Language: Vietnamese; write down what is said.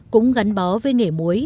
cũng gắn bó với nghề muối